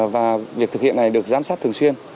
và việc thực hiện này được giám sát thường xuyên